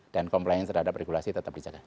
dan compliance terhadap regulasi tetap dijaga